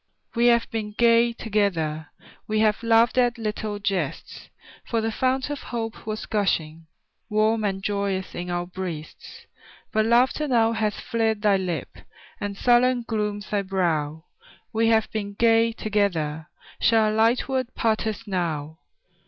We have been gay together; We have laughed at little jests; For the fount of hope was gushing Warm and joyous in our breasts, But laughter now hath fled thy lip, And sullen glooms thy brow; We have been gay together, Shall a light word part us now?